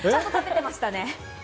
食べてましたね。